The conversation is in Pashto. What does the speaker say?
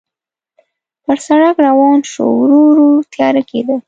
پر سړک روان شوو، ورو ورو تیاره کېده.